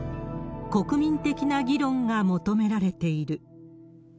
国民的な議論が求められている。